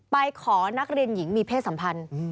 ไปขอนักเรียนหญิงมีเพศสัมพันธ์